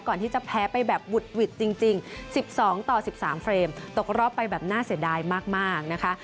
ที่จะแพ้ไปแบบบุดหวิดจริง๑๒ต่อ๑๓เฟรมตกรอบไปแบบน่าเสียดายมากนะคะ